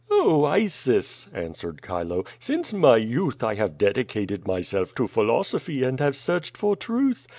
"Oil, Isis/' answered Chilo, "since my youth I have dedi cated myself to philosopliy and have searched for truth.